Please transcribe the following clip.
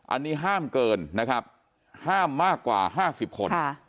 อันนี้ห้ามเกินนะครับห้ามมากกว่า๕๐คน